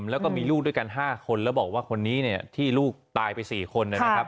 แล้วก็มีลูกด้วยกัน๕คนแล้วบอกว่าคนนี้เนี่ยที่ลูกตายไป๔คนนะครับ